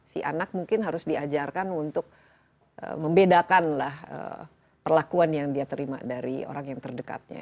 si anak mungkin harus diajarkan untuk membedakan perlakuan yang dia terima dari orang yang terdekatnya